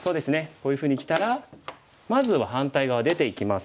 こういうふうにきたらまずは反対側出ていきます。